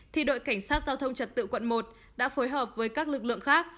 thì đội cảnh sát giao thông trật tự quận một đã phối hợp với các lực lượng khác